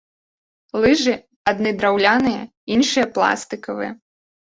Лыжы адны драўляныя, іншыя пластыкавыя.